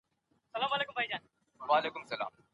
باور ملګرتيا پياوړې کوي.